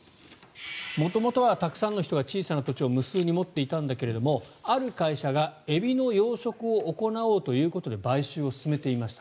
元々はたくさんの人が小さな土地を無数に持っていたんだけれどもある会社がエビの養殖を行おうということで買収を進めていました。